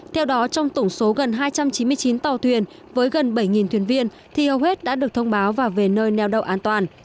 theo đó trong tổng số gần hai trăm chín mươi chín tàu thuyền với gần bảy thuyền viên thì hầu hết đã được thông báo và về nơi neo đậu an toàn